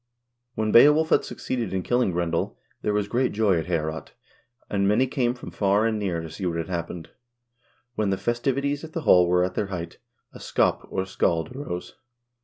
When Beowulf had succeeded in killing Grendel, there was great joy at Heorot, and many came from far and near to see what had happened. When the festivities at the hall were at their height, a scop, or scald, arose.